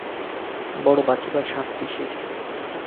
বড় বাচিবার সাধ পিসির।